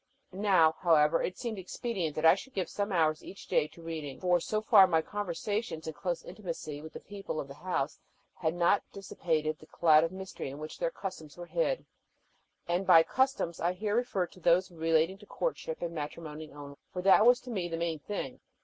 Now, however, it seemed expedient that I should give some hours each day to reading; for so far my conversations and close intimacy with the people of the house had not dissipated the cloud of mystery in which their customs were hid; and by customs I here refer to those relating to courtship and matrimony only, for that was to me the main thing.